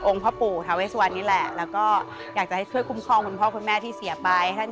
พ่อปู่ทาเวสวันนี่แหละแล้วก็อยากจะให้ช่วยคุ้มครองคุณพ่อคุณแม่ที่เสียไป